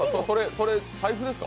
それ、財布ですか？